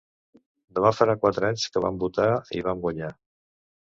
Demà farà quatre anys que vam votar i vam guanyar.